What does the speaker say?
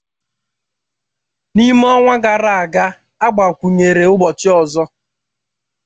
N'ime ọnwa gara aga, a gbakwunyere ụbọchị ọzọ.